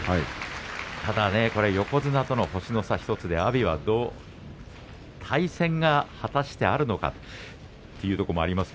ただ横綱との星の差１つで阿炎は対戦が果たしてあるのかというところもあると思いますが。